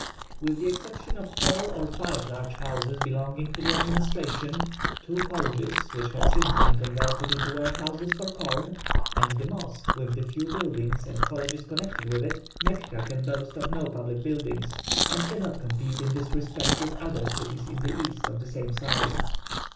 With the exception of four or five large houses belonging to the administration, two colleges, which have since been converted into warehouses for corn, and the mosque with the few buildings and colleges connected with it, Mecca can boast of no public buildings, and cannot compete in this respect with other cities in the East of the same size.